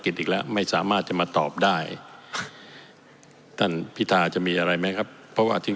กรรมนตรีช่วยว่าการกระทรวงการคลังกรรมนตรีช่วยว่าการกระทรวงการคลัง